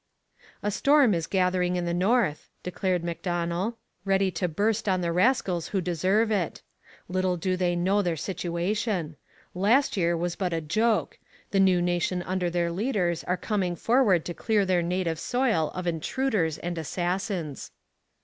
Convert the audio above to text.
'A storm is gathering in the north,' declared Macdonell, 'ready to burst on the rascals who deserve it; little do they know their situation. Last year was but a joke. The New Nation under their leaders are coming forward to clear their native soil of intruders and assassins.'